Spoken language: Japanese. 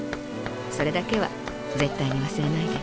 それだけは絶対に忘れないで」。